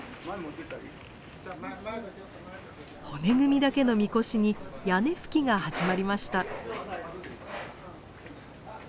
骨組みだけの神輿に屋根葺きが始まりました。